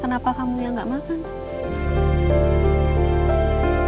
kenapa kamu yang nggak makan